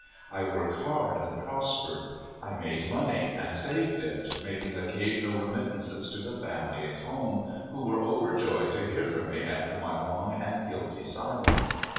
I worked hard, and prospered. I made money, and saved it, making occasional remit tances to the family at home, who were overjoyed to hear from me after my long and guilty silence.